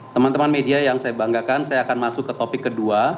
teman teman media yang saya banggakan saya akan masuk ke topik kedua